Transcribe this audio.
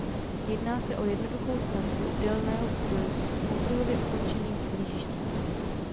Jedná se o jednoduchou stavbu obdélného půdorysu s půlkruhově ukončeným kněžištěm.